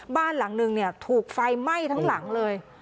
บ้านหลังนึงถูกไฟไหม้ทั้งหลังเลย